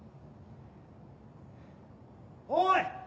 おい！